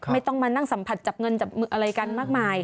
ไม่ต้องมานั่งสัมผัสจับเงินจับมืออะไรกันมากมาย